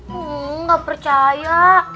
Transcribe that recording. hmm gak percaya